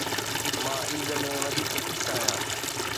مان عيد ۾ وڌيڪ خوش آهيان.